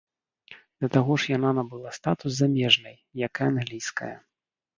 Да таго ж яна набыла статус замежнай, як і англійская.